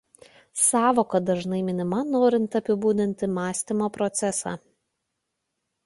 Sąvoka dažnai minima norint apibūdinti mąstymo procesą.